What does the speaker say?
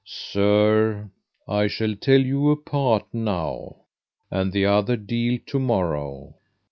Sir, I shall tell you a part now, and the other deal to morrow.